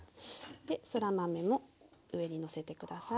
でそら豆も上にのせて下さい。